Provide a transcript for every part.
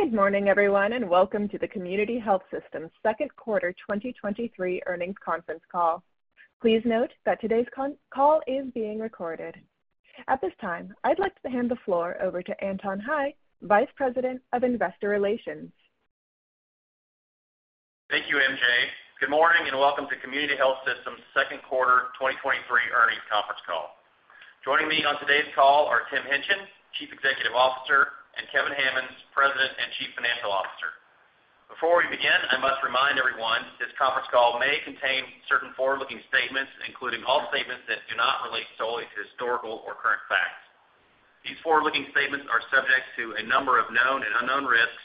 Good morning, everyone, welcome to the Community Health Systems Second Quarter 2023 Earnings Conference Call. Please note that today's call is being recorded. At this time, I'd like to hand the floor over to Anton Hie, Vice President of Investor Relations. Thank you, MJ. Good morning, welcome to Community Health Systems' Second Quarter 2023 Earnings Conference Call. Joining me on today's call are Tim Hingtgen, Chief Executive Officer, and Kevin Hammons, President and Chief Financial Officer. Before we begin, I must remind everyone this conference call may contain certain forward-looking statements, including all statements that do not relate solely to historical or current facts. These forward-looking statements are subject to a number of known and unknown risks,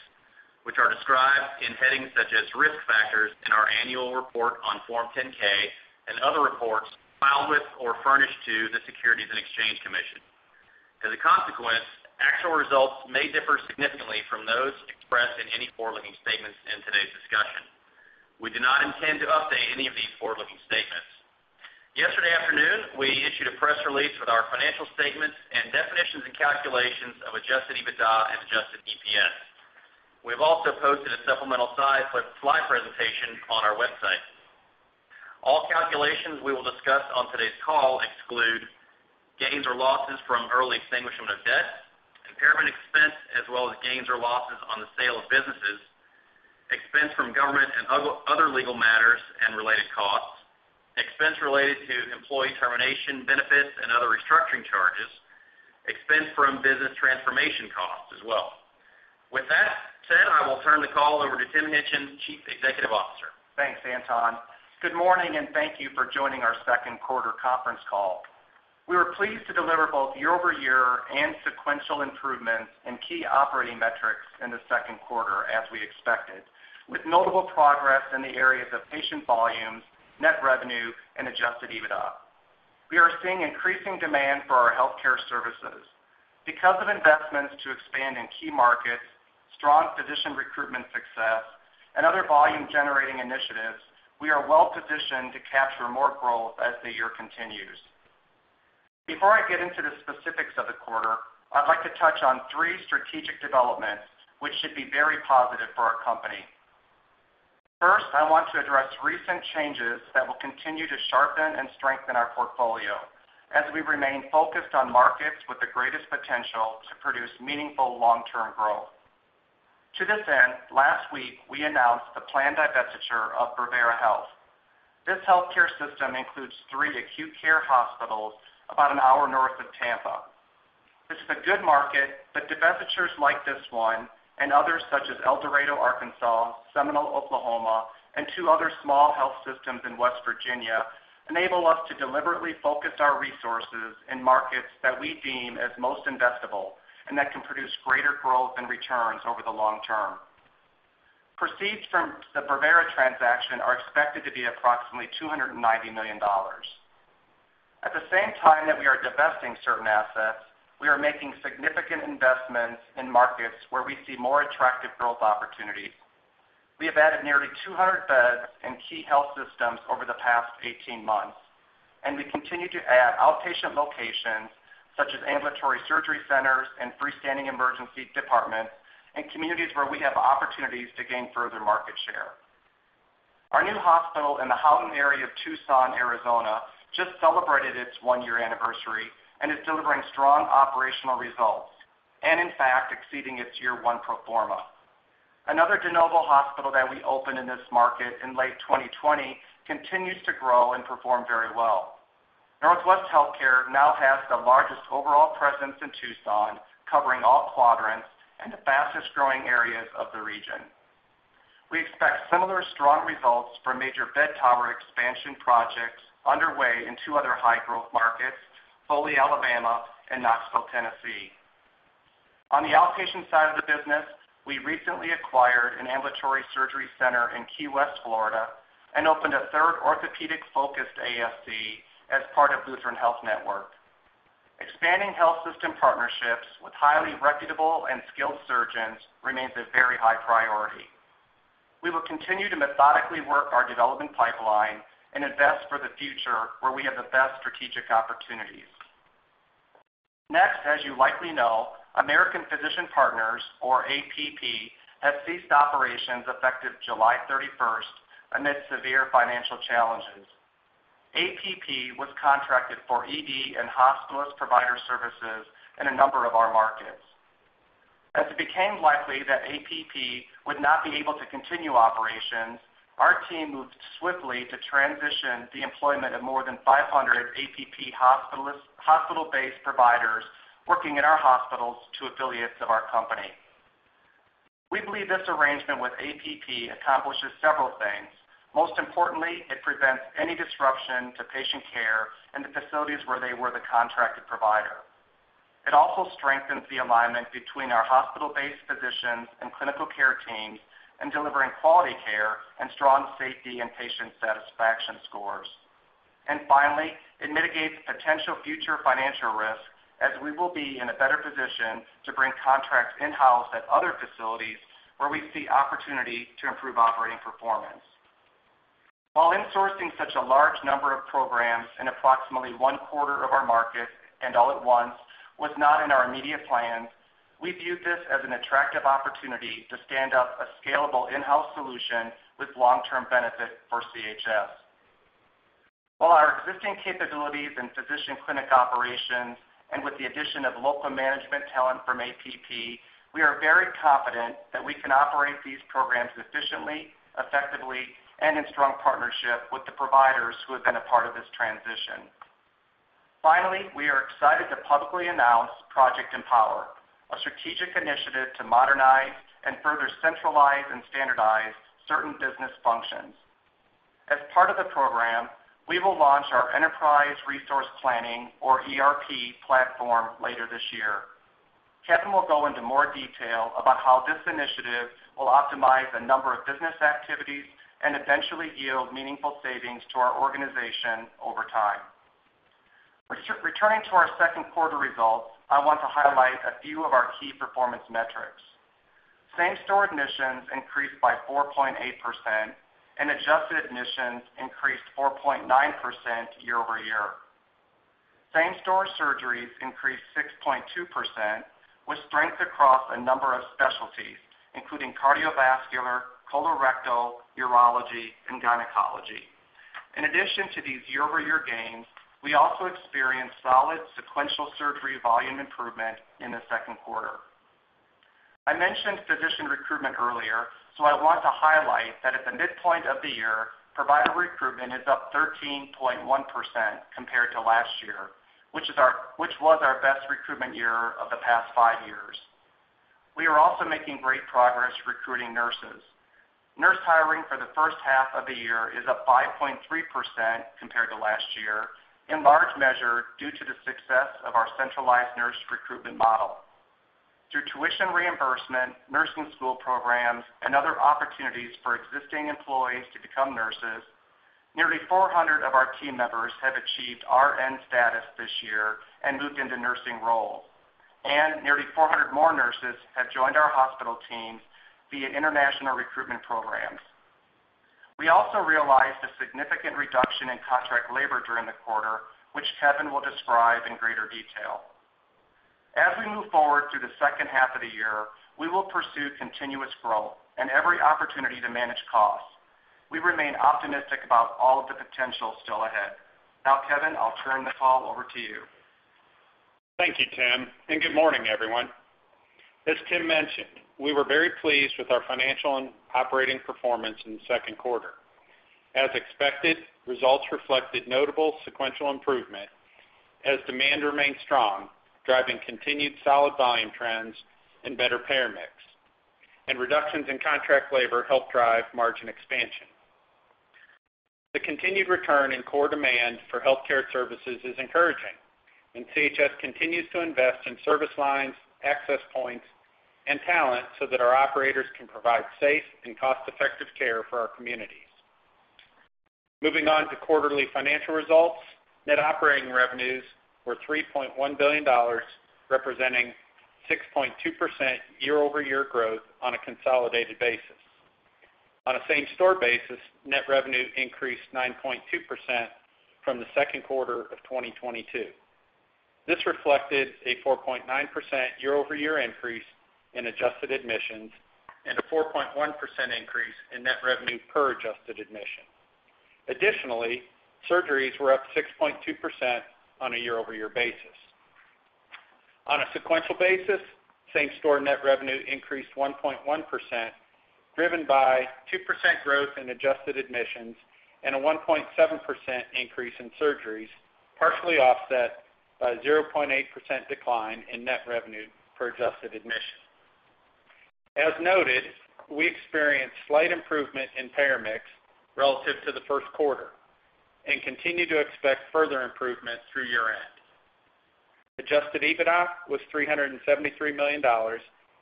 which are described in headings such as Risk Factors in our annual report on Form 10-K and other reports filed with or furnished to the Securities and Exchange Commission. As a consequence, actual results may differ significantly from those expressed in any forward-looking statements in today's discussion. We do not intend to update any of these forward-looking statements. Yesterday afternoon, we issued a press release with our financial statements and definitions and calculations of adjusted EBITDA and adjusted EPS. We've also posted a supplemental slide with -- slide presentation on our website. All calculations we will discuss on today's call exclude gains or losses from early extinguishment of debt, impairment expense, as well as gains or losses on the sale of businesses, expense from government and other legal matters and related costs, expense related to employee termination benefits and other restructuring charges, expense from business transformation costs as well. With that said, I will turn the call over to Tim Hingtgen, Chief Executive Officer. Thanks, Anton. Good morning, thank you for joining our Second Quarter Conference Call. We were pleased to deliver both year-over-year and sequential improvements in key operating metrics in the second quarter as we expected, with notable progress in the areas of patient volumes, net revenue, and adjusted EBITDA. We are seeing increasing demand for our healthcare services. Because of investments to expand in key markets, strong physician recruitment success, and other volume-generating initiatives, we are well positioned to capture more growth as the year continues. Before I get into the specifics of the quarter, I'd like to touch on three strategic developments, which should be very positive for our company. First, I want to address recent changes that will continue to sharpen and strengthen our portfolio as we remain focused on markets with the greatest potential to produce meaningful long-term growth. To this end, last week, we announced the planned divestiture of Bravera Health. This healthcare system includes three acute care hospitals about an hour north of Tampa. This is a good market, but divestitures like this one and others such as El Dorado, Arkansas, Seminole, Oklahoma, and two other small health systems in West Virginia, enable us to deliberately focus our resources in markets that we deem as most investable and that can produce greater growth and returns over the long term. Proceeds from the Bravera transaction are expected to be approximately $290 million. At the same time that we are divesting certain assets, we are making significant investments in markets where we see more attractive growth opportunities. We have added nearly 200 beds in key health systems over the past 18 months, and we continue to add outpatient locations such as ambulatory surgery centers and freestanding emergency departments in communities where we have opportunities to gain further market share. Our new hospital in the Houghton area of Tucson, Arizona, just celebrated its one-year anniversary and is delivering strong operational results, and in fact, exceeding its year-one pro forma. Another de novo hospital that we opened in this market in late 2020 continues to grow and perform very well. Northwest Healthcare now has the largest overall presence in Tucson, covering all quadrants and the fastest-growing areas of the region. We expect similar strong results from major bed tower expansion projects underway in two other high-growth markets, Foley, Alabama, and Knoxville, Tennessee. On the outpatient side of the business, we recently acquired an ambulatory surgery center in Key West, Florida, and opened a third orthopedic-focused ASC as part of Lutheran Health Network. Expanding health system partnerships with highly reputable and skilled surgeons remains a very high priority. We will continue to methodically work our development pipeline and invest for the future where we have the best strategic opportunities. Next, as you likely know, American Physician Partners, or APP, has ceased operations effective July 31st amid severe financial challenges. APP was contracted for ED and hospitalist provider services in a number of our markets. As it became likely that APP would not be able to continue operations, our team moved swiftly to transition the employment of more than 500 APP hospital -- hospital-based providers working in our hospitals to affiliates of our company. We believe this arrangement with APP accomplishes several things. Most importantly, it prevents any disruption to patient care in the facilities where they were the contracted provider. It also strengthens the alignment between our hospital-based physicians and clinical care teams in delivering quality care and strong safety and patient satisfaction scores. Finally, it mitigates potential future financial risk as we will be in a better position to bring contracts in-house at other facilities where we see opportunity to improve operating performance. While insourcing such a large number of programs in approximately 1/4 of our market, and all at once, was not in our immediate plans, we view this as an attractive opportunity to stand up a scalable in-house solution with long-term benefit for CHS. While our existing capabilities and physician clinic operations, and with the addition of local management talent from APP, we are very confident that we can operate these programs efficiently, effectively, and in strong partnership with the providers who have been a part of this transition. Finally, we are excited to publicly announce Project Empower, a strategic initiative to modernize and further centralize and standardize certain business functions. As part of the program, we will launch our enterprise resource planning, or ERP platform later this year. Kevin will go into more detail about how this initiative will optimize a number of business activities and eventually yield meaningful savings to our organization over time. Returning to our second quarter results, I want to highlight a few of our key performance metrics. Same-store admissions increased by 4.8%, and adjusted admissions increased 4.9% year-over-year. Same-store surgeries increased 6.2%, with strength across a number of specialties, including cardiovascular, colorectal, urology, and gynecology. In addition to these year-over-year gains, we also experienced solid sequential surgery volume improvement in the second quarter. I mentioned physician recruitment earlier, so I want to highlight that at the midpoint of the year, provider recruitment is up 13.1% compared to last year, which was our best recruitment year of the past five years. We are also making great progress recruiting nurses. Nurse hiring for the first half of the year is up 5.3% compared to last year, in large measure due to the success of our centralized nurse recruitment model. Through tuition reimbursement, nursing school programs, and other opportunities for existing employees to become nurses, nearly 400 of our team members have achieved RN status this year and moved into nursing roles, and nearly 400 more nurses have joined our hospital teams via international recruitment programs. We also realized a significant reduction in contract labor during the quarter, which Kevin will describe in greater detail. As we move forward through the second half of the year, we will pursue continuous growth and every opportunity to manage costs. We remain optimistic about all of the potential still ahead. Now, Kevin, I'll turn the call over to you. Thank you, Tim, and good morning, everyone. As Tim mentioned, we were very pleased with our financial and operating performance in the second quarter. As expected, results reflected notable sequential improvement as demand remained strong, driving continued solid volume trends and better payer mix, and reductions in contract labor helped drive margin expansion. The continued return in core demand for healthcare services is encouraging, and CHS continues to invest in service lines, access points, and talent so that our operators can provide safe and cost-effective care for our communities. Moving on to quarterly financial results, net operating revenues were $3.1 billion, representing 6.2% year-over-year growth on a consolidated basis. On a same-store basis, net revenue increased 9.2% from the second quarter of 2022. This reflected a 4.9% year-over-year increase in adjusted admissions and a 4.1% increase in net revenue per adjusted admission. Additionally, surgeries were up 6.2% on a year-over-year basis. On a sequential basis, same-store net revenue increased 1.1%, driven by 2% growth in adjusted admissions and a 1.7% increase in surgeries, partially offset by a 0.8% decline in net revenue per adjusted admission. As noted, we experienced slight improvement in payer mix relative to the first quarter and continue to expect further improvement through year-end. Adjusted EBITDA was $373 million,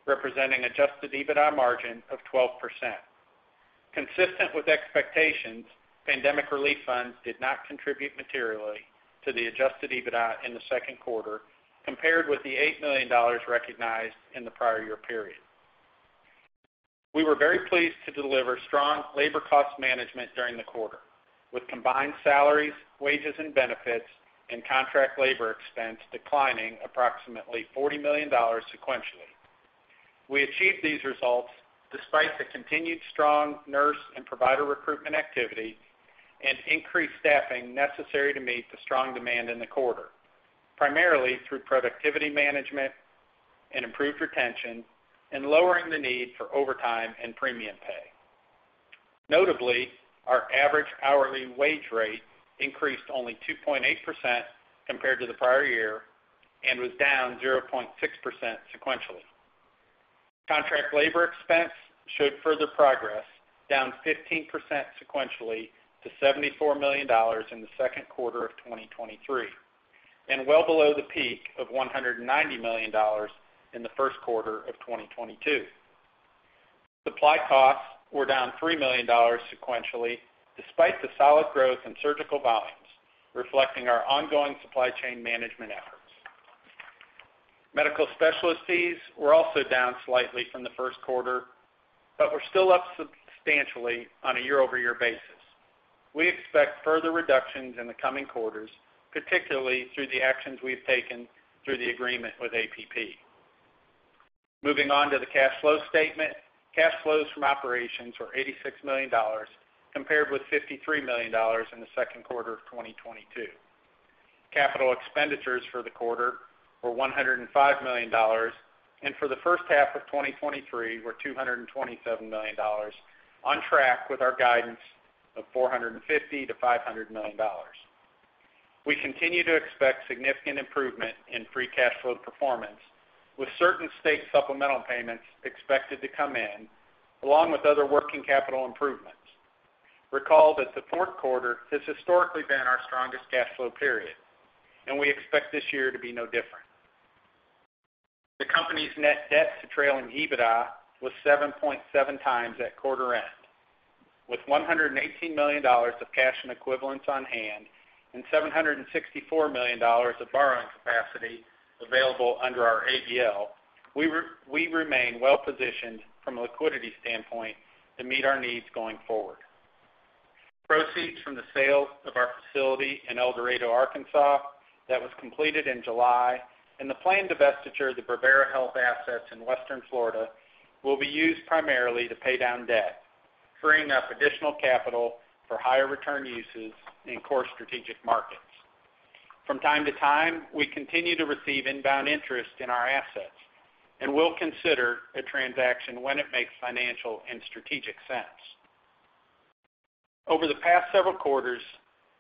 representing adjusted EBITDA margin of 12%. Consistent with expectations, pandemic relief funds did not contribute materially to the adjusted EBITDA in the second quarter compared with the $8 million recognized in the prior year period. We were very pleased to deliver strong labor cost management during the quarter, with combined salaries, wages and benefits, and contract labor expense declining approximately $40 million sequentially. We achieved these results despite the continued strong nurse and provider recruitment activity and increased staffing necessary to meet the strong demand in the quarter, primarily through productivity management and improved retention and lowering the need for overtime and premium pay. Notably, our average hourly wage rate increased only 2.8% compared to the prior year and was down 0.6% sequentially. Contract labor expense showed further progress, down 15% sequentially to $74 million in the second quarter of 2023, and well below the peak of $190 million in the first quarter of 2022. Supply costs were down $3 million sequentially, despite the solid growth in surgical volumes, reflecting our ongoing supply chain management efforts. Medical specialist fees were also down slightly from the first quarter, but were still up substantially on a year-over-year basis. We expect further reductions in the coming quarters, particularly through the actions we've taken through the agreement with APP. Moving on to the cash flow statement. Cash flows from operations were $86 million, compared with $53 million in the second quarter of 2022. Capital expenditures for the quarter were $105 million, and for the first half of 2023 were $227 million, on track with our guidance of $450 million-$500 million. We continue to expect significant improvement in free cash flow performance, with certain state supplemental payments expected to come in, along with other working capital improvements. Recall that the fourth quarter has historically been our strongest cash flow period, and we expect this year to be no different. The Company's net debt-to-trailing EBITDA was 7.7x at quarter end, with $118 million of cash and equivalents on hand and $764 million of borrowing capacity available under our ABL, we remain well positioned from a liquidity standpoint to meet our needs going forward. Proceeds from the sale of our facility in El Dorado, Arkansas, that was completed in July, and the planned divestiture of the Bravera Health assets in Western Florida will be used primarily to pay down debt, freeing up additional capital for higher return uses in core strategic markets. From time-to-time, we continue to receive inbound interest in our assets, and we'll consider a transaction when it makes financial and strategic sense. Over the past several quarters,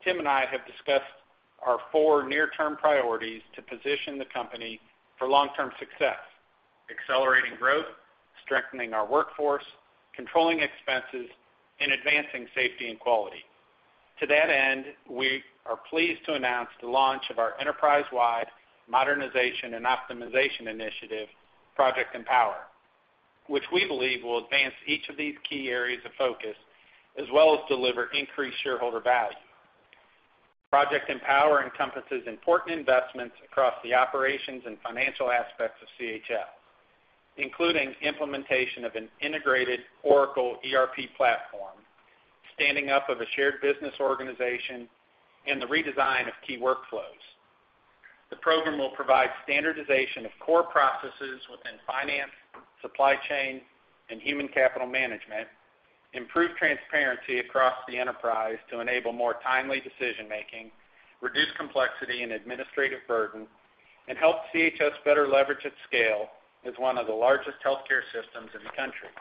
Tim and I have discussed our four near-term priorities to position the Company for long-term success: accelerating growth, strengthening our workforce, controlling expenses, and advancing safety and quality. To that end, we are pleased to announce the launch of our enterprise-wide modernization and optimization initiative, Project Empower, which we believe will advance each of these key areas of focus, as well as deliver increased shareholder value. Project Empower encompasses important investments across the operations and financial aspects of CHS, including implementation of an integrated Oracle ERP platform, standing up of a shared business organization, and the redesign of key workflows. The program will provide standardization of core processes within finance, supply chain, and human capital management, improve transparency across the enterprise to enable more timely decision making, reduce complexity and administrative burden, and help CHS better leverage its scale as one of the largest healthcare systems in the country.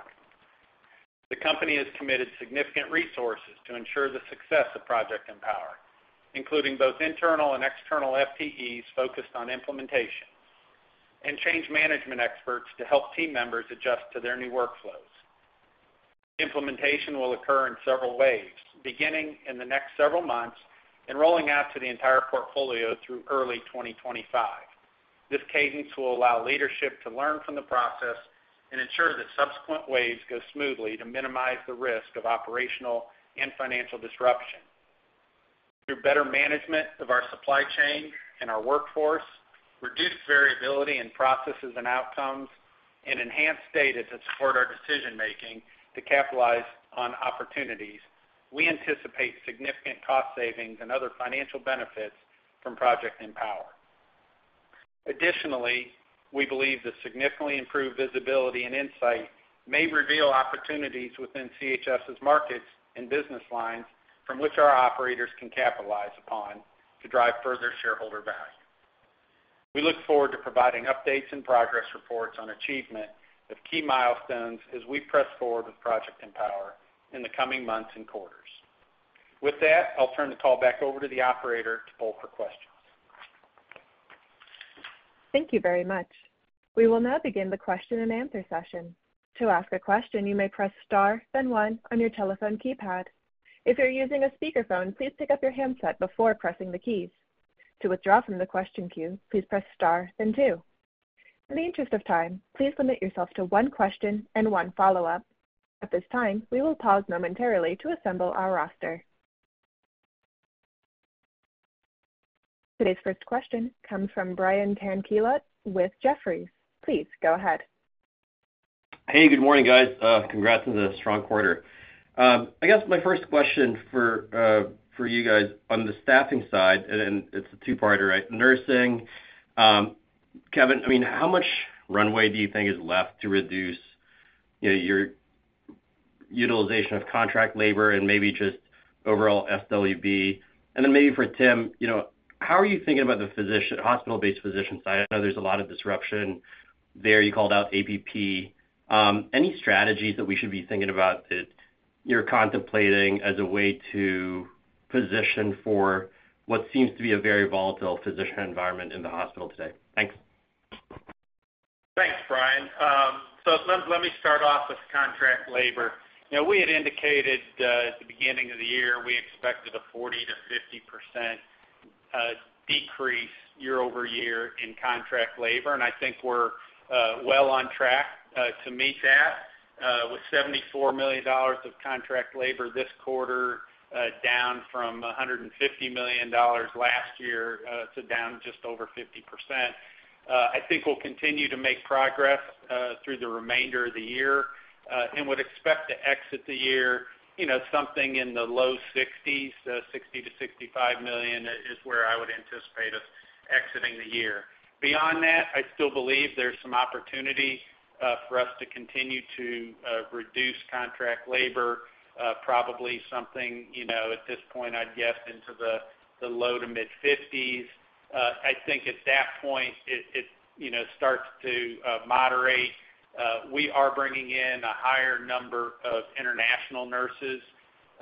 The Company has committed significant resources to ensure the success of Project Empower, including both internal and external FTEs focused on implementation and change management experts to help team members adjust to their new workflows. Implementation will occur in several waves, beginning in the next several months and rolling out to the entire portfolio through early 2025. This cadence will allow leadership to learn from the process and ensure that subsequent waves go smoothly to minimize the risk of operational and financial disruption. Through better management of our supply chain and our workforce, reduced variability in processes and outcomes, and enhanced data to support our decision making to capitalize on opportunities, we anticipate significant cost savings and other financial benefits from Project Empower. Additionally, we believe that significantly improved visibility and insight may reveal opportunities within CHS' markets and business lines from which our operators can capitalize upon to drive further shareholder value. We look forward to providing updates and progress reports on achievement of key milestones as we press forward with Project Empower in the coming months and quarters. With that, I'll turn the call back over to the operator to poll for questions. Thank you very much. We will now begin the question-and-answer session. To ask a question, you may press star then one on your telephone keypad. If you're using a speakerphone, please pick up your handset before pressing the keys. To withdraw from the question queue, please press star then two. In the interest of time, please limit yourself to one question and one follow-up. At this time, we will pause momentarily to assemble our roster. Today's first question comes from Brian Tanquilut with Jefferies. Please go ahead. Hey, good morning, guys. Congrats on the strong quarter. I guess my first question for you guys on the staffing side, it's a two-parter, right? Nursing, Kevin, I mean, how much runway do you think is left to reduce, you know, your utilization of contract labor and maybe just overall SWB? Then maybe for Tim, you know, how are you thinking about the physician, hospital-based physician side? I know there's a lot of disruption there. You called out APP. Any strategies that we should be thinking about that you're contemplating as a way to position for what seems to be a very volatile physician environment in the hospital today? Thanks. Thanks, Brian. Let me start off with contract labor. You know, we had indicated at the beginning of the year, we expected a 40%-50% decrease year-over-year in contract labor, and I think we're well on track to meet that with $74 million of contract labor this quarter, down from $150 million last year, down just over 50%. I think we'll continue to make progress through the remainder of the year, and would expect to exit the year, you know, something in the low sixties. $60 million-$65 million is where I would anticipate us exiting the year. Beyond that, I still believe there's some opportunity for us to continue to reduce contract labor, probably something, you know, at this point, I'd guess, into the low to mid-50s. I think at that point, it, you know, starts to moderate. We are bringing in a higher number of international nurses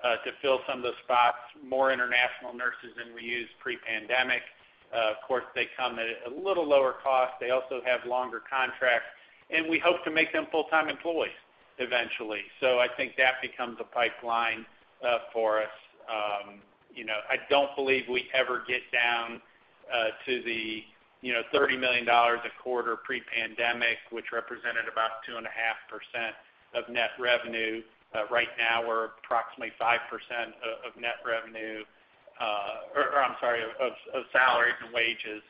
to fill some of the spots, more international nurses than we used pre-pandemic. Of course, they come at a little lower cost. They also have longer contracts, and we hope to make them full-time employees eventually. I think that becomes a pipeline for us. You know, I don't believe we ever get down to the, you know, $30 million a quarter pre-pandemic, which represented about 2.5% of net revenue. Right now, we're approximately 5% of net revenue, or I'm sorry, of salaries and wages.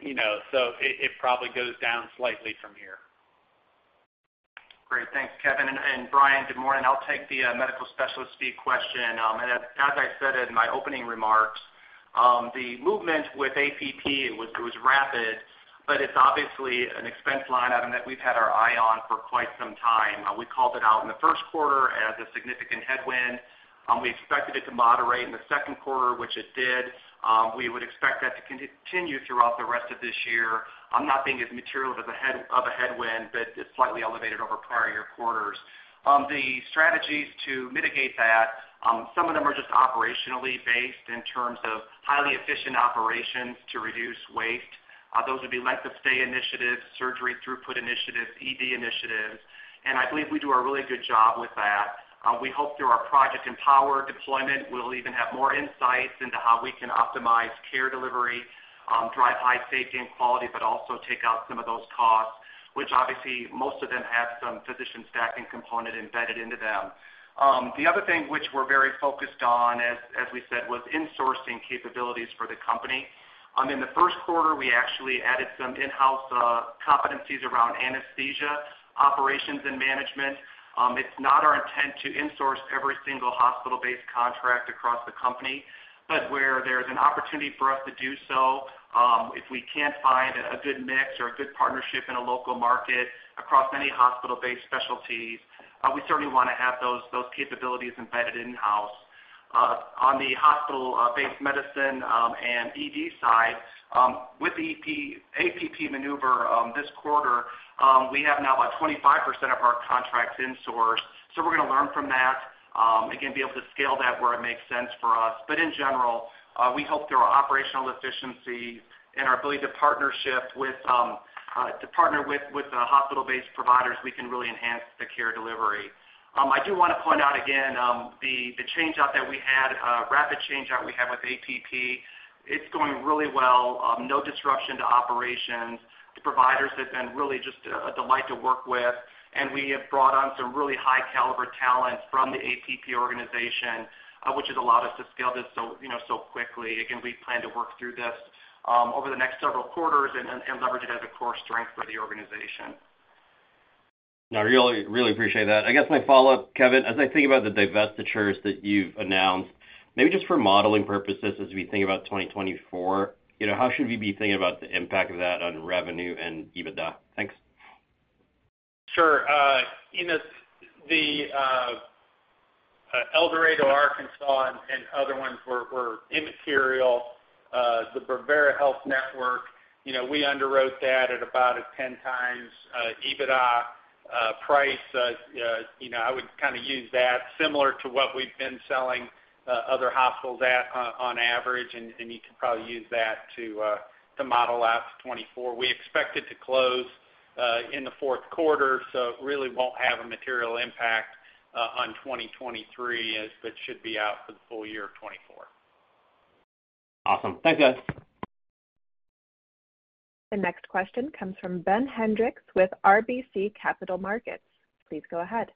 You know, it probably goes down slightly from here. Great. Thanks, Kevin. Brian, good morning. I'll take the medical specialist fee question. As I said in my opening remarks, the movement with APP, it was rapid, but it's obviously an expense line item that we've had our eye on for quite some time. We called it out in the first quarter as a significant headwind. We expected it to moderate in the second quarter, which it did. We would expect that to continue throughout the rest of this year. I'm not thinking as material as a headwind, but it's slightly elevated over prior year quarters. The strategies to mitigate that, some of them are just operationally based in terms of highly efficient operations to reduce waste. Those would be length of stay initiatives, surgery throughput initiatives, ED initiatives, I believe we do a really good job with that. We hope through our Project Empower deployment, we'll even have more insights into how we can optimize care delivery, drive high safety and quality, also take out some of those costs, which obviously, most of them have some physician staffing component embedded into them. The other thing which we're very focused on, as, as we said, was insourcing capabilities for the Company. In the first quarter, we actually added some in-house competencies around anesthesia, operations, and management. It's not our intent to insource every single hospital-based contract across the Company, but where there's an opportunity for us to do so, if we can't find a good mix or a good partnership in a local market across many hospital-based specialties, we certainly want to have those, those capabilities embedded in-house. On the hospital, based medicine, and ED side, with the APP maneuver, this quarter, we have now about 25% of our contracts insourced, so we're going to learn from that, again, be able to scale that where it makes sense for us. But in general, we hope through our operational efficiency and our ability to partnership with -- partner with the hospital-based providers, we can really enhance the care delivery. I do want to point out again, the change-out that we had -- rapid change-out we had with APP, it's going really well, no disruption to operations. The providers have been really just a delight to work with, and we have brought on some really high caliber talents from the APP organization, which has allowed us to scale this so quickly. Again, we plan to work through this over the next several quarters and leverage it as a core strength for the organization. I really, really appreciate that. I guess my follow-up, Kevin, as I think about the divestitures that you've announced, maybe just for modeling purposes, as we think about 2024, you know, how should we be thinking about the impact of that on revenue and EBITDA? Thanks. Sure, in the Eldorado, Arkansas, and other ones were immaterial. The Bravera Health Network, you know, we underwrote that at about a 10x EBITDA price. You know, I would kind of use that similar to what we've been selling, other hospitals at on average, and you can probably use that to model out 2024. We expect it to close in the fourth quarter, so it really won't have a material impact on 2023, as it should be out for the full year of 2024. Awesome. Thank you. The next question comes from Ben Hendrix with RBC Capital Markets. Please go ahead.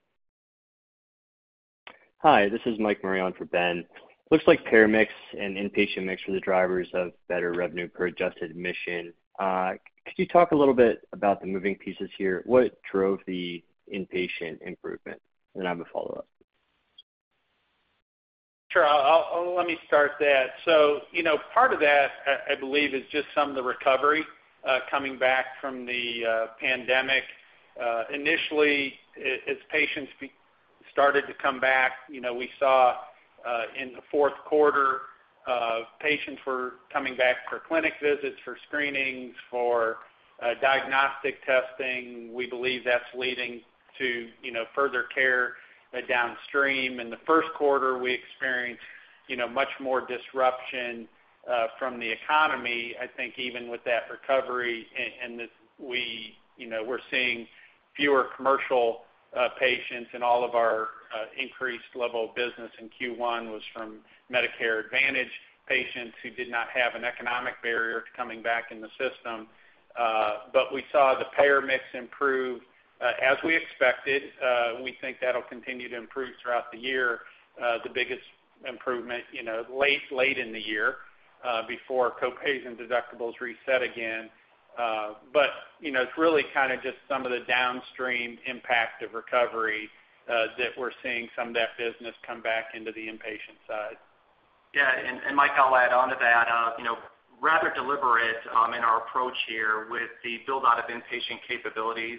Hi, this is Mike Ryan for Ben. Looks like payer mix and inpatient mix are the drivers of better revenue per adjusted admission. Could you talk a little bit about the moving pieces here? What drove the inpatient improvement? And I have a follow-up. Sure. Let me start that. You know, part of that, I believe, is just some of the recovery coming back from the pandemic. Initially, as patients started to come back, you know, we saw in the fourth quarter, patients were coming back for clinic visits, for screenings, for diagnostic testing. We believe that's leading to, you know, further care downstream. In the first quarter, we experienced, you know, much more disruption. From the economy, I think even with that recovery and this, we, you know, we're seeing fewer commercial patients, and all of our increased level of business in Q1 was from Medicare Advantage patients who did not have an economic barrier to coming back in the system. We saw the payer mix improve as we expected. We think that'll continue to improve throughout the year. The biggest improvement, you know, late in the year, before co-pays and deductibles reset again. You know, it's really kind of just some of the downstream impact of recovery, that we're seeing some of that business come back into the inpatient side. Yeah, and Mike, I'll add on to that. You know, rather deliberate in our approach here with the build-out of inpatient capabilities.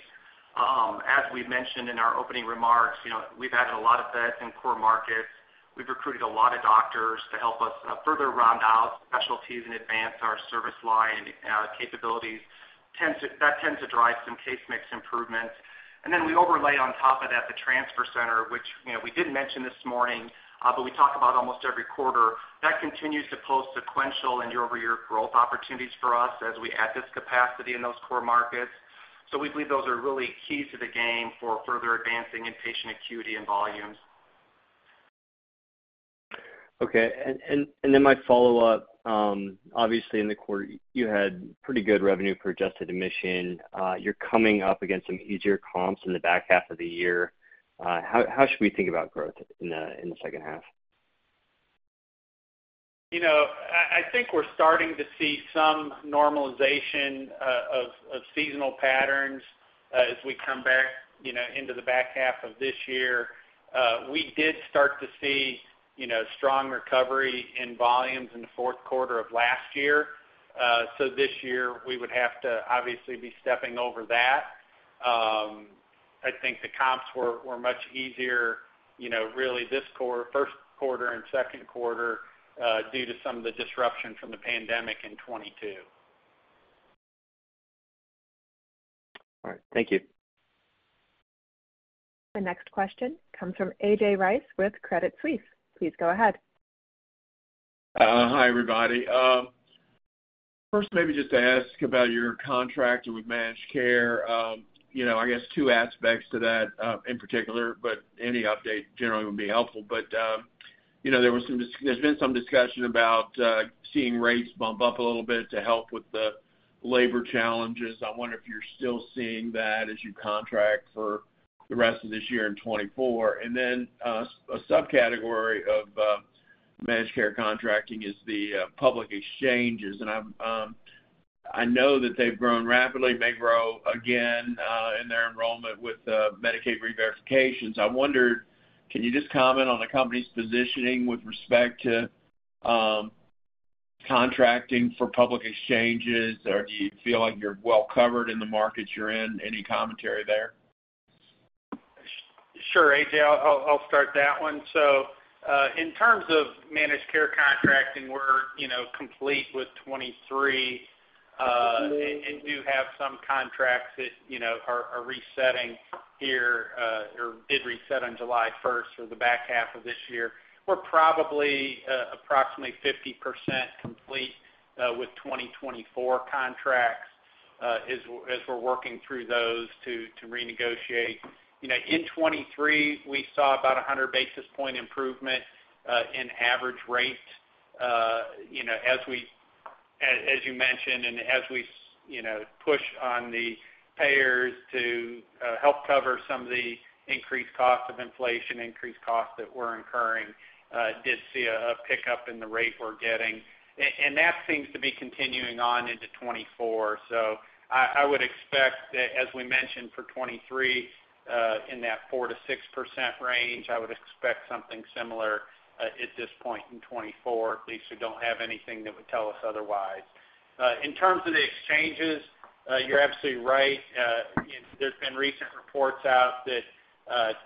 As we mentioned in our opening remarks, you know, we've added a lot of beds in core markets. We've recruited a lot of doctors to help us further round out specialties and advance our service line and our capabilities. That tends to drive some case mix improvements. Then we overlay on top of that, the transfer center, which, you know, we did mention this morning, but we talk about almost every quarter. That continues to pull sequential and year-over-year growth opportunities for us as we add this capacity in those core markets. We believe those are really key to the game for further advancing inpatient acuity and volumes. Okay. Then my follow-up, obviously, in the quarter, you had pretty good revenue per adjusted admission. You're coming up against some easier comps in the back half of the year. How should we think about growth in the second half? You know, I, I think we're starting to see some normalization of seasonal patterns, as we come back, you know, into the back half of this year. We did start to see, you know, strong recovery in volumes in the fourth quarter of last year. This year, we would have to obviously be stepping over that. I think the comps were, were much easier, you know, really this quarter, first quarter and second quarter, due to some of the disruption from the pandemic in 2022. All right. Thank you. The next question comes from A.J. Rice with Credit Suisse. Please go ahead. Hi, everybody. First, maybe just to ask about your contract with managed care. You know, I guess two aspects to that in particular, but any update generally would be helpful. You know, there's been some discussion about seeing rates bump up a little bit to help with the labor challenges. I wonder if you're still seeing that as you contract for the rest of this year in 2024. Then a subcategory of managed care contracting is the public exchanges. I'm -- I know that they've grown rapidly, may grow again in their enrollment with Medicaid reverifications. I wondered, can you just comment on the Company's positioning with respect to contracting for public exchanges, or do you feel like you're well covered in the markets you're in? Any commentary there? Sure, A.J., I'll start that one. In terms of managed care contracting, we're, you know, complete with 2023, and do have some contracts that, you know, are resetting here, or did reset on July 1st for the back half of this year. We're probably, approximately 50% complete, with 2024 contracts, as we're working through those to renegotiate. You know, in 2023, we saw about a 100 basis point improvement, in average rates. You know, as you mentioned, and as we, you know, push on the payers to help cover some of the increased costs of inflation, increased costs that we're incurring, did see a pickup in the rate we're getting and that seems to be continuing on into 2024. So, I would expect that as we mentioned for 2023, in that 4%-6% range, I would expect something similar, at this point in 2024, at least we don't have anything that would tell us otherwise. In terms of the exchanges, you're absolutely right. You know, there's been recent reports out that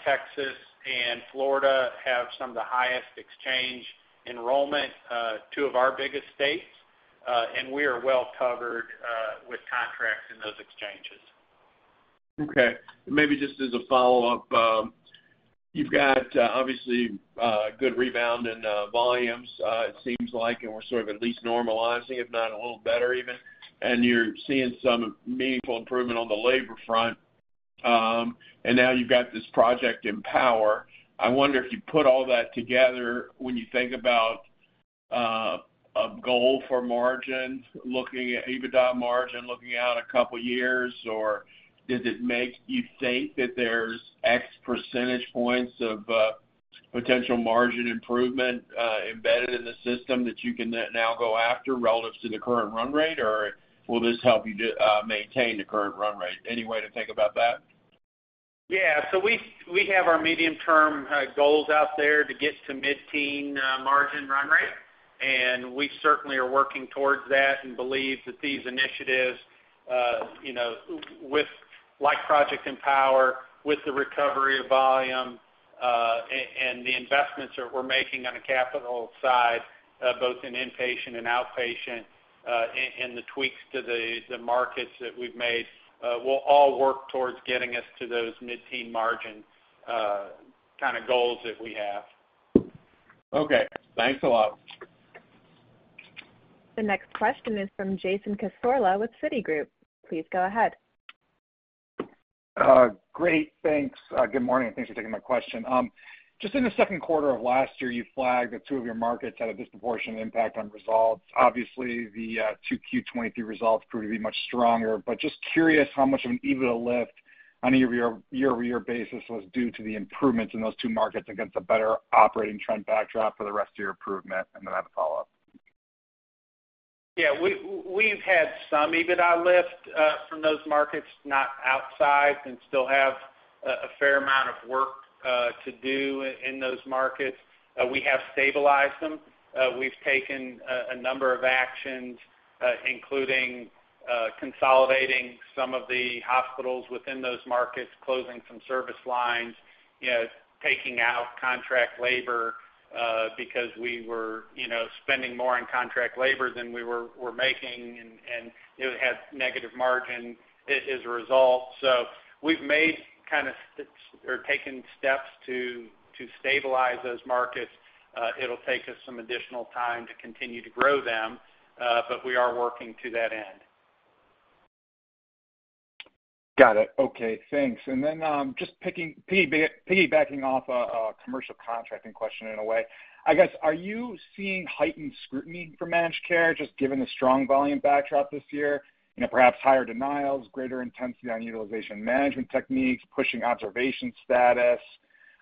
Texas and Florida have some of the highest exchange enrollment, two of our biggest states, and we are well covered with contracts in those exchanges. Okay. Maybe just as a follow-up, you've got, obviously, good rebound in volumes, it seems like, and we're sort of at least normalizing, if not a little better even, and you're seeing some meaningful improvement on the labor front. Now you've got this Project Empower. I wonder if you put all that together when you think about a goal for margins, looking at EBITDA margin, looking out a couple of years, or does it make you think that there's X percentage points of potential margin improvement embedded in the system that you can now go after relative to the current run rate, or will this help you to maintain the current run rate? Any way to think about that? Yeah. We have our medium-term goals out there to get to mid-teen margin run rate and we certainly are working towards that and believe that these initiatives, you know, with -- like Project Empower, with the recovery of volume, and the investments that we're making on the capital side, both in inpatient and outpatient, and the tweaks to the markets that we've made, will all work towards getting us to those mid-teen margin targets, kind of goals that we have. Okay, thanks a lot. The next question is from Jason Cassorla with Citigroup. Please go ahead. Great, thanks. Good morning, and thanks for taking my question. Just in the second quarter of last year, you flagged that two of your markets had a disproportionate impact on results. Obviously, the 2Q 2023 results proved to be much stronger. Just curious how much of an EBITDA lift on your year-over-year basis was due to the improvements in those two markets against a better operating trend backdrop for the rest of your improvement, and then I have a follow-up. Yeah, we've had some EBITDA lift from those markets, not outside, and still have a fair amount of work to do in those markets. We have stabilized them. We've taken a number of actions, including consolidating some of the hospitals within those markets, closing some service lines, you know, taking out contract labor, because we were, you know, spending more on contract labor than we're making, and it had negative margin as a result. We've made kind of taken steps to stabilize those markets. It'll take us some additional time to continue to grow them, but we are working to that end. Got it. Okay, thanks. Then, just piggybacking off a commercial contracting question in a way. I guess, are you seeing heightened scrutiny for managed care, just given the strong volume backdrop this year? You know, perhaps higher denials, greater intensity on utilization management techniques, pushing observation status.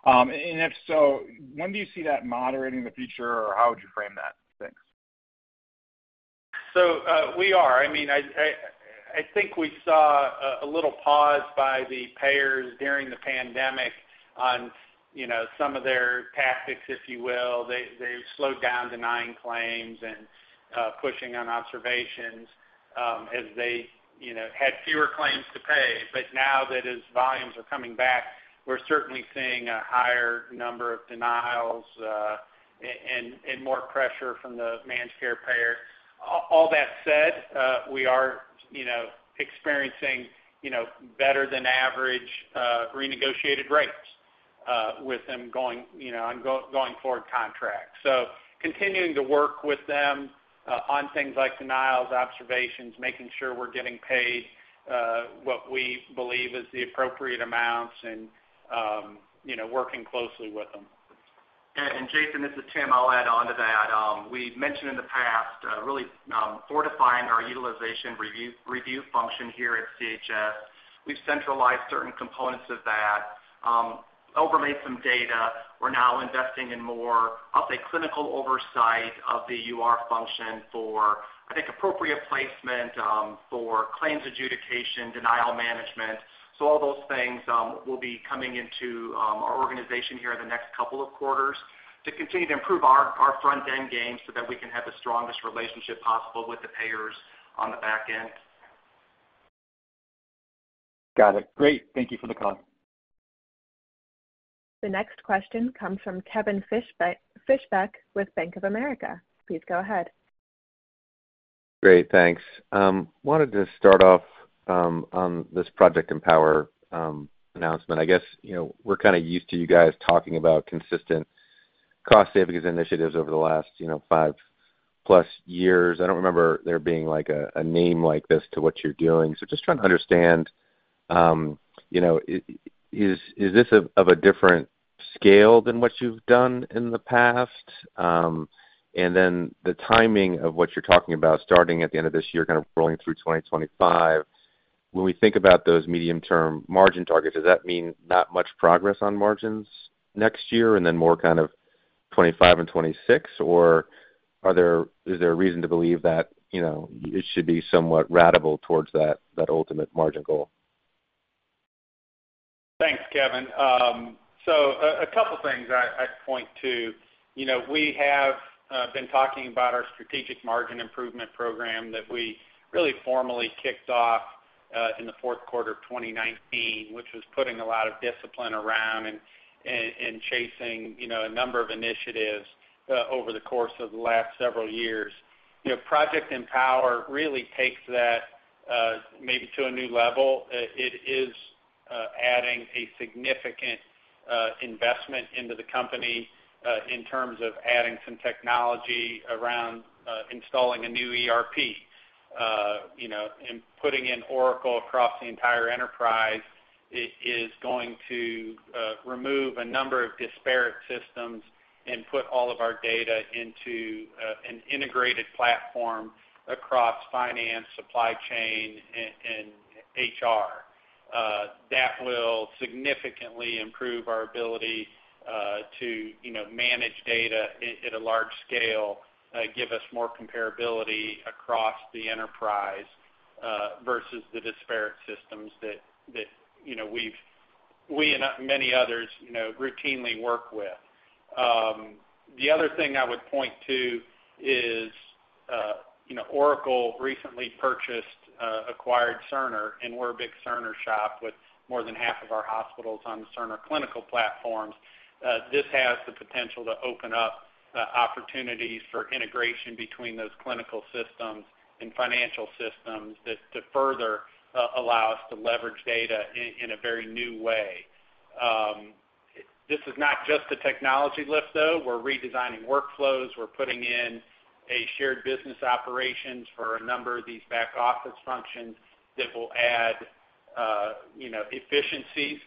If so, when do you see that moderating in the future, or how would you frame that? Thanks. We are. I mean, I think we saw a little pause by the payers during the pandemic on, you know, some of their tactics, if you will. They, they slowed down denying claims and pushing on observations, as they, you know, had fewer claims to pay. Now that as volumes are coming back, we're certainly seeing a higher number of denials and more pressure from the managed care payer. All that said, we are, you know, experiencing, you know, better than average renegotiated rates with them going, you know, on going forward contracts. So, continuing to work with them on things like denials, observations, making sure we're getting paid what we believe is the appropriate amounts, and, you know, working closely with them. Jason, this is Tim. I'll add on to that. We've mentioned in the past, really, fortifying our utilization review function here at CHS. We've centralized certain components of that, [overweight] some data. We're now investing in more of a clinical oversight of the UR function for, I think, appropriate placement for claims adjudication, denial management. All those things will be coming into our organization here in the next couple of quarters to continue to improve our front-end games so that we can have the strongest relationship possible with the payers on the back end. Got it. Great. Thank you for the call. The next question comes from Kevin Fischbeck with Bank of America. Please go ahead. Great, thanks. Wanted to start off on this Project Empower announcement. I guess, you know, we're kind of used to you guys talking about consistent cost savings initiatives over the last, you know, 5+ years. I don't remember there being like a name like this to what you're doing. Just trying to understand, you know, is this of a different scale than what you've done in the past? Then the timing of what you're talking about, starting at the end of this year, kind of rolling through 2025. When we think about those medium-term margin targets, does that mean not much progress on margins next year and then more kind of 2025 and 2026, or is there a reason to believe that, you know, it should be somewhat ratable towards that, that ultimate margin goal? Thanks, Kevin. A couple things I'd point to. You know, we have been talking about our Strategic Margin Improvement Program that we really formally kicked off in the fourth quarter of 2019, which was putting a lot of discipline around and chasing, you know, a number of initiatives over the course of the last several years. You know, Project Empower really takes that maybe to a new level. It is adding a significant investment into the Company in terms of adding some technology around installing a new ERP. You know, putting in Oracle across the entire enterprise is going to remove a number of disparate systems and put all of our data into an integrated platform across finance, supply chain, and HR. That will significantly improve our ability to, you know, manage data at a large scale, give us more comparability across the enterprise versus the disparate systems that, you know, we and many others, you know, routinely work with. The other thing I would point to is, you know, Oracle recently purchased, acquired Cerner, and we're a big Cerner shop with more than half of our hospitals on Cerner clinical platforms. This has the potential to open up opportunities for integration between those clinical systems and financial systems that, to further allow us to leverage data in a very new way. This is not just a technology lift though. We're redesigning workflows. We're putting in a shared business organization for a number of these back-office functions that will add, you know, efficiencies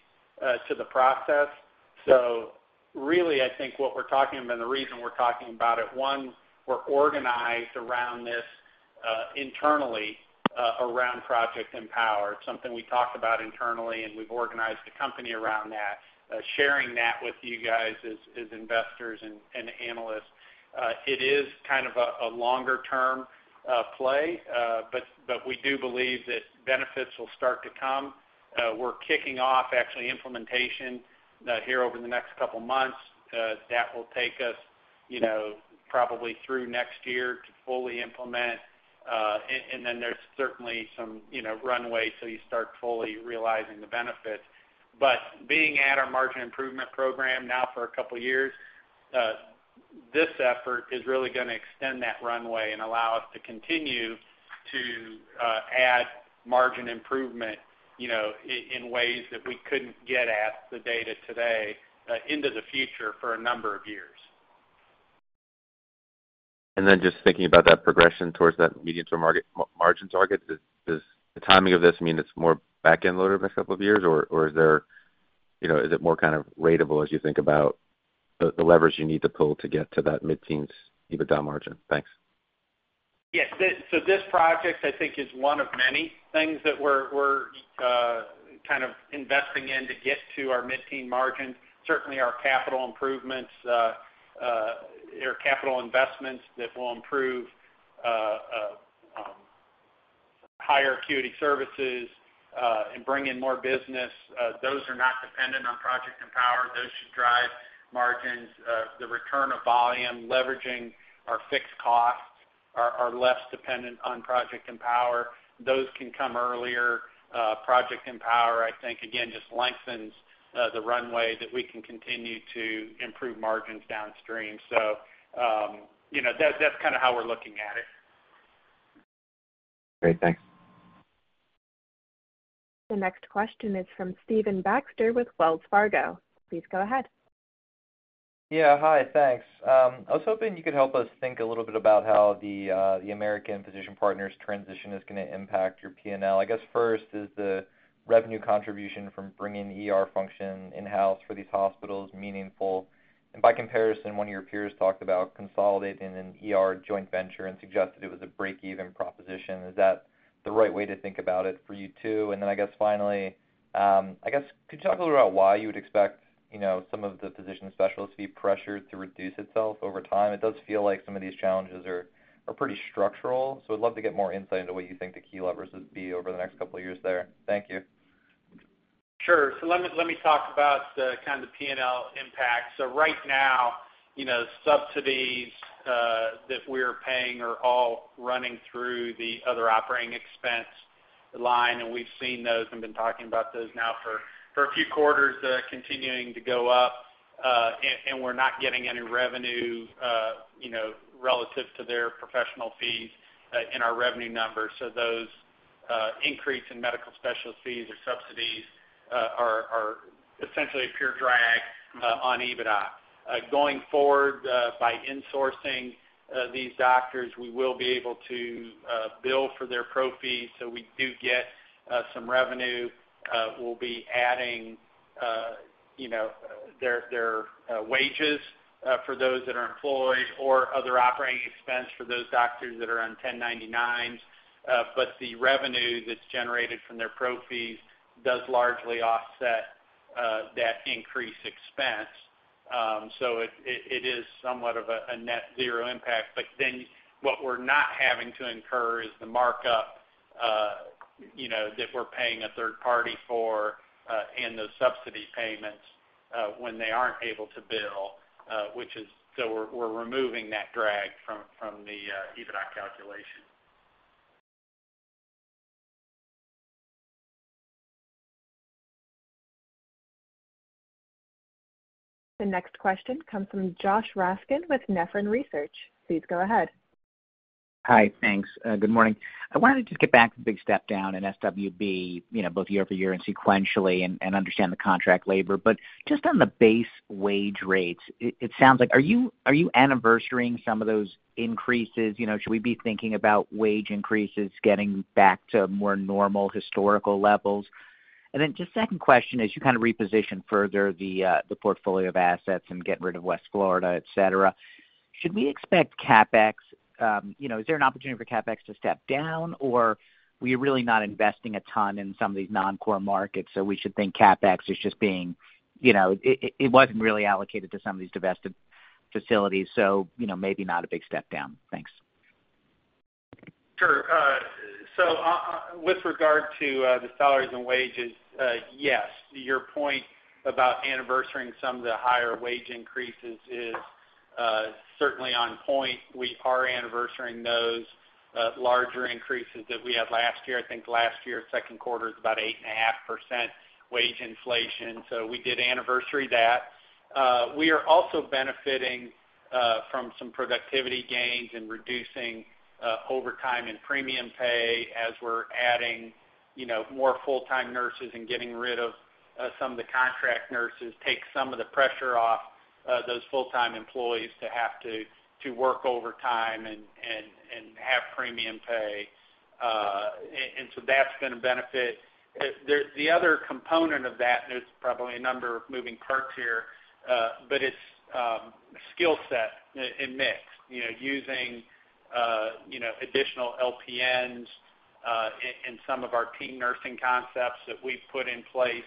to the process. Really, I think what we're talking about and the reason we're talking about it, one, we're organized around this internally around Project Empower. It's something we talked about internally, and we've organized the Company around that. Sharing that with you guys as investors and analysts, it is kind of a longer-term play, but we do believe that benefits will start to come. We're kicking off actually implementation here over the next couple of months. That will take us, you know, probably through next year to fully implement. And then there's certainly some, you know, runway till you start fully realizing the benefits. Being at our margin improvement program now for couple of years, this effort is really gonna extend that runway and allow us to continue to add margin improvement, you know, in ways that we couldn't get at the data today into the future for a number of years. Just thinking about that progression towards that medium-term market margin target, does the timing of this mean it's more back-end loaded in couple of years, or is there, you know, is it more kind of ratable as you think about the leverage you need to pull to get to that mid-teens EBITDA margin? Thanks. Yes. This project, I think, is one of many things that we're kind of investing in to get to our mid-teen margins. Certainly, our capital improvements -- capital investments that will improve higher acuity services and bring in more business, those are not dependent on Project Empower. Those should drive margins. The return of volume, leveraging our fixed costs are less dependent on Project Empower. Those can come earlier. Project Empower, I think, again, just lengthens the runway that we can continue to improve margins downstream. You know, that's kind of how we're looking at it. Great. Thanks. The next question is from Stephen Baxter with Wells Fargo. Please go ahead. Yeah. Hi, thanks. I was hoping you could help us think a little bit about how the American Physician Partners transition is going to impact your P&L. I guess first, is the revenue contribution from bringing the ER function in-house for these hospitals meaningful? By comparison, one of your peers talked about consolidating an ER joint venture and suggested it was a break-even proposition. Is that the right way to think about it for you too? Then I guess finally, could you talk a little about why you would expect, you know, some of the physician specialists to be pressured to reduce itself over time? It does feel like some of these challenges are, are pretty structural, so I'd love to get more insight into what you think the key levers would be over the next couple of years there. Thank you. Sure. Let me, let me talk about the kind of P&L impact. Right now, you know, subsidies that we're paying are all running through the other operating expense line, and we've seen those and been talking about those now for a few quarters, continuing to go up. And, and we're not getting any revenue, you know, relative to their professional fees in our revenue numbers. Those increase in medical specialties or subsidies are essentially a pure drag on EBITDA. Going forward, by insourcing these doctors, we will be able to bill for their pro fees, so we do get some revenue. We'll be adding, you know, their wages, for those that are employed or other operating expense for those doctors that are on 1099. But the revenue that is generated from their pro fees does largely offset that increased expense. So it is somewhat of a net zero impact. But then, what we're not having to incur is the markup, you know, that we're paying a third party for, and those subsidy payments, when they aren't able to bill, which is. So we're removing that drag from, from the EBITDA calculation. The next question comes from Josh Raskin with Nephron Research. Please go ahead. Hi, thanks. Good morning. I wanted to just get back to the big step down in SWB, you know, both year-over-year and sequentially, and understand the contract labor. Just on the base wage rates, it sounds like, are you anniversarying some of those increases? You know, should we be thinking about wage increases getting back to more normal historical levels? Just second question, as you kind of reposition further the portfolio of assets and get rid of West Florida, et cetera, should we expect CapEx. You know, is there an opportunity for CapEx to step down, or we're really not investing a ton in some of these non-core markets, so we should think CapEx is just being, you know, it wasn't really allocated to some of these divested facilities, so, you know, maybe not a big step down? Thanks. Sure. With regard to the salaries and wages, yes, your point about anniversarying some of the higher wage increases is certainly on point. We are anniversarying those larger increases that we had last year. I think last year, second quarter is about 8.5% wage inflation, so we did anniversary that. We are also benefiting from some productivity gains and reducing overtime and premium pay as we're adding, you know, more full-time nurses and getting rid of some of the contract nurses, takes some of the pressure off those full-time employees to have to, to work overtime and have premium pay. That's gonna benefit. The other component of that, there's probably a number of moving parts here, but it's skill set and mix. You know, using, you know, additional LPMs, in some of our team nursing concepts that we've put in place,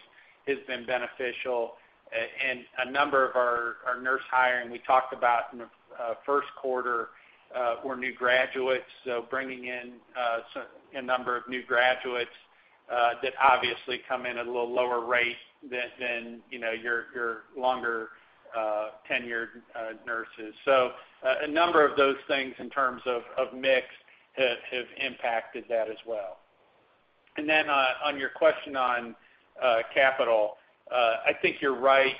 has been beneficial. A number of our nurse hiring, we talked about in the first quarter, were new graduates, so bringing in, so a number of new graduates, that obviously come in at a little lower rate than, you know, your longer tenured nurses. A number of those things in terms of mix have impacted that as well. Then, on your question on capital, I think you're right.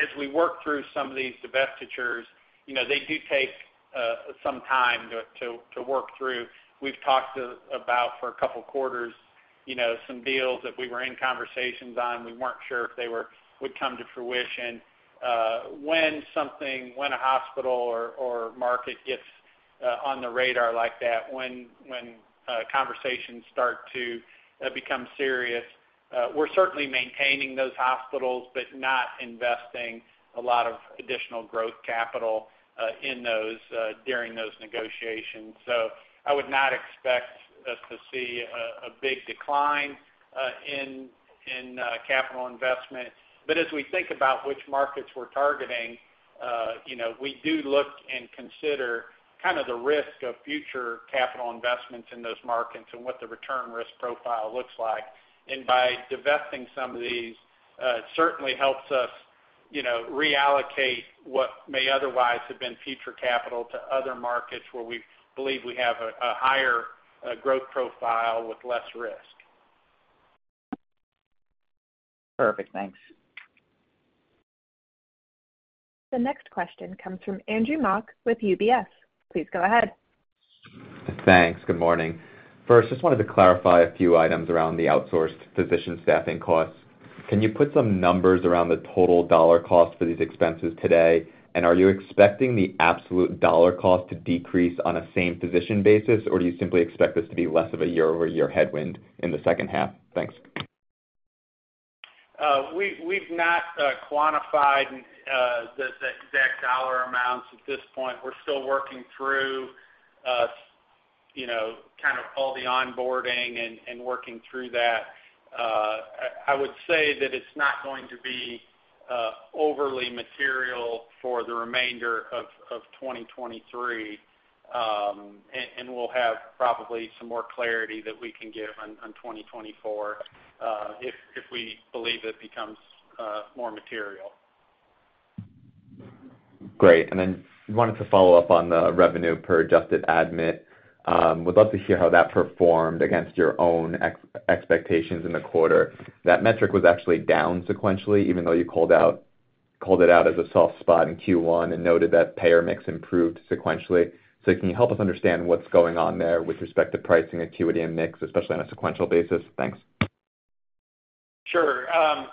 As we work through some of these divestitures, you know, they do take some time to work through. We've talked about for a couple quarters, you know, some deals that we were in conversations on, we weren't sure if they would come to fruition. When something, when a hospital or market gets on the radar like that, when conversations start to become serious, we're certainly maintaining those hospitals, but not investing a lot of additional growth capital in those -- during those negotiations. I would not expect us to see a big decline in capital investment. As we think about which markets we're targeting, you know, we do look and consider kind of the risk of future capital investments in those markets and what the return risk profile looks like. By divesting some of these, certainly helps us, you know, reallocate what may otherwise have been future capital to other markets where we believe we have a, a higher, growth profile with less risk. Perfect. Thanks. The next question comes from Andrew Mok with UBS. Please go ahead. Thanks. Good morning. First, just wanted to clarify a few items around the outsourced physician staffing costs. Can you put some numbers around the total dollar cost for these expenses today? Are you expecting the absolute dollar cost to decrease on a same physician basis, or do you simply expect this to be less of a year-over-year headwind in the second half? Thanks. We've not quantified the exact dollar amounts at this point. We're still working through, you know, kind of all the onboarding and working through that. I, I would say that it's not going to be overly material for the remainder of 2023. We'll have probably some more clarity that we can give on 2024, if we believe it becomes more material. Great. Then wanted to follow up on the revenue per adjusted admit. Would love to hear how that performed against your own expectations in the quarter. That metric was actually down sequentially, even though you called it out as a soft spot in Q1 and noted that payer mix improved sequentially. Can you help us understand what's going on there with respect to pricing, acuity, and mix, especially on a sequential basis? Thanks. Sure.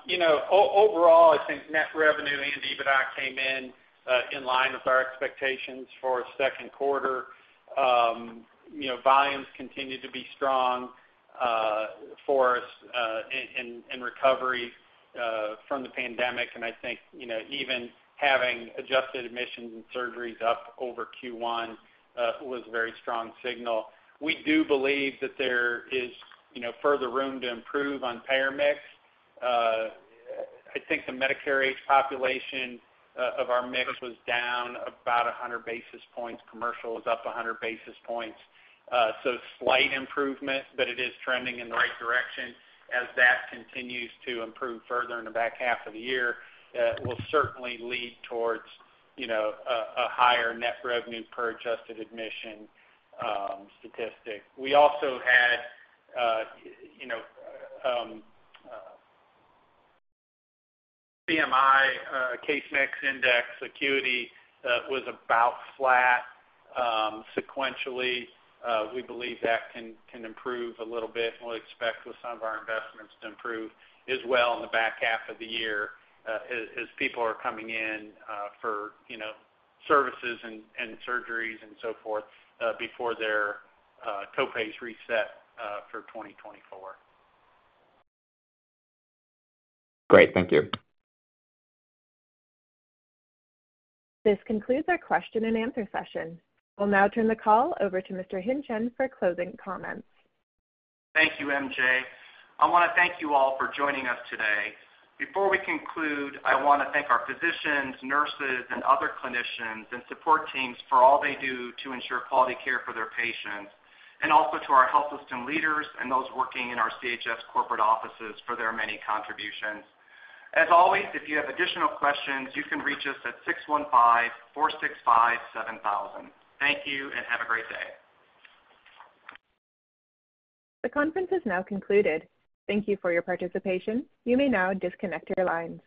You know, overall, I think net revenue and EBITDA came in in line with our expectations for second quarter. You know, volumes continued to be strong for us in recovery from the pandemic. I think, you know, even having adjusted admissions and surgeries up over Q1 was a very strong signal. We do believe that there is, you know, further room to improve on payer mix. I think the Medicare age population of our mix was down about 100 basis points. Commercial was up 100 basis points. Slight improvement, but it is trending in the right direction. As that continues to improve further in the back half of the year, we'll certainly lead towards, you know, a higher net revenue per adjusted admission statistic. We also had, you know, CMI, case mix index acuity, was about flat sequentially. We believe that can improve a little bit, and we'll expect with some of our investments to improve as well in the back half of the year as people are coming in, for, you know, services and surgeries and so forth, before their co-pays reset for 2024. Great, thank you. This concludes our question-and-answer session. We'll now turn the call over to Mr. Hingtgen for closing comments. Thank you, MJ. I wanna thank you all for joining us today. Before we conclude, I wanna thank our physicians, nurses, and other clinicians, and support teams for all they do to ensure quality care for their patients. Also, to our health system leaders and those working in our CHS corporate offices for their many contributions. As always, if you have additional questions, you can reach us at 615-465-7000. Thank you, and have a great day. The conference is now concluded. Thank you for your participation. You may now disconnect your lines.